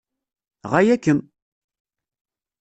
Ɣaya-kem!